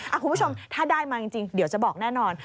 คุณผู้ชมถ้าได้มาจริงเดี๋ยวจะบอกแน่นอน